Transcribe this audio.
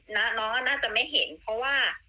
น้องก็น่าจะไม่เห็นเพราะว่า